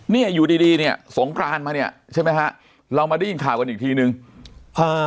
เนี่ยอยู่ดีดีเนี่ยสงกรานมาเนี่ยใช่ไหมฮะเรามาได้ยินข่าวกันอีกทีนึงเอ่อ